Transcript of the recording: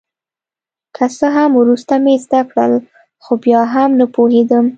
که څه هم وروسته مې زده کړل خو بیا هم نه په پوهېدم.